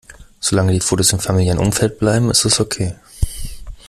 Solange die Fotos im familiären Umfeld bleiben, ist es okay.